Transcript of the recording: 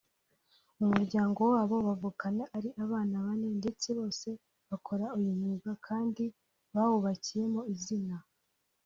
mu muryango wabo bavukana ari abana bane ndetse bose bakora uyu mwuga kandi bawubakiyemo izina